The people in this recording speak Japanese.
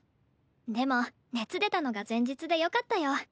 でも熱出たのが前日でよかったよ。